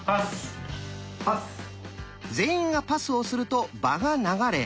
全員がパスをすると場が流れ